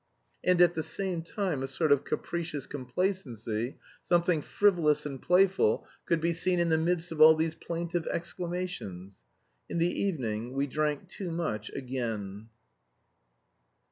And at the same time a sort of capricious complacency, something frivolous and playful, could be seen in the midst of all these plaintive exclamations. In the evening we drank too much again.